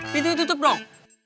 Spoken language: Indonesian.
pintunya tutup dong